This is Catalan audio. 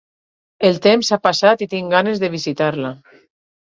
El temps ha passat i tinc ganes de visitar-la.